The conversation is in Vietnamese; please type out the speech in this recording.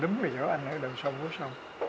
đúng là anh ở đầu sông có xong